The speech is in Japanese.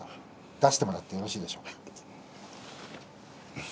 出してもらってよろしいでしょうか。